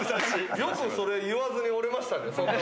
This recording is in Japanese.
よくそれ言わずにおれましたね。